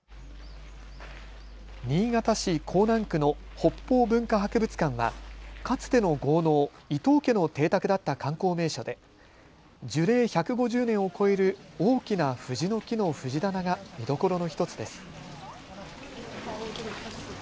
新潟市江南区の北方文化博物館はかつての豪農、伊藤家の邸宅だった観光名所で樹齢１５０年を超える大きな藤の木の藤棚が見どころの１つです。